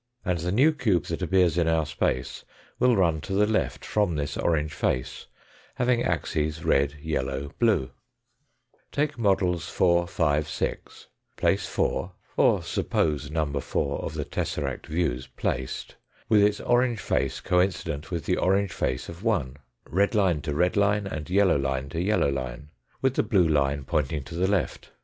And the new cube that appears in our space will run to the left from this orange face, having axes, red, yellow, blue. 16 242 THE FOURTH DIMENSION Take models 4, 5, 6. Place 4, or suppose No. 4 of the tesseract views placed, with its orange face coincident with the orange face of 1 , red line to red line, and yellow line to yellow line, with the blue line pointing to the left.